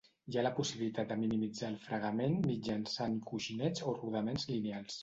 Hi ha la possibilitat de minimitzar el fregament mitjançant coixinets o rodaments lineals.